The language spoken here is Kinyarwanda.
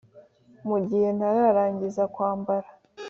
Mu gihe ntararangiza kwambara